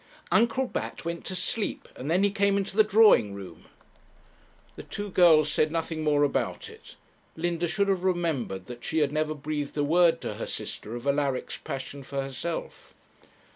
'Uncle Bat went to sleep, and then he came into the drawing room.' The two girls said nothing more about it. Linda should have remembered that she had never breathed a word to her sister of Alaric's passion for herself.